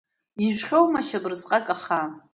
Ижәхьоумашь абрысҟак ахаан?